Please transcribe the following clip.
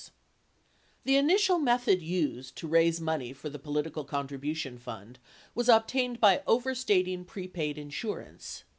485 The initial method used to raise money for the political contribution fund was obtained by overstating prepaid insurance.